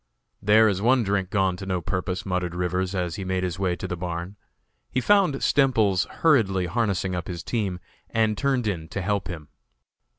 "There is one drink gone to no purpose," muttered Rivers, as he made his way to the barn. He found Stemples hurriedly harnessing up his team, and turned in to help him.